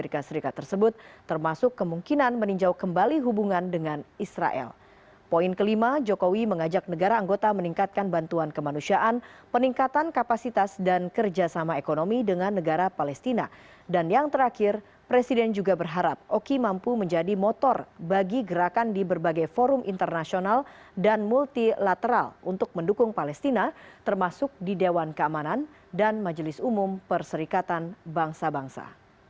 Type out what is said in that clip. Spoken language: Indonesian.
ketiga presiden jokowi mengajak negara anggota oki untuk menjadi motor penggerak di berbagai forum internasional dan multilateral untuk mendukung palestina termasuk di dewan keamanan dan majelis umum perserikatan bangsa bangsa